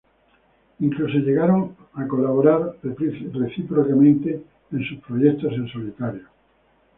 Incluso llegaron a colaboran recíprocamente en sus proyectos en solitario.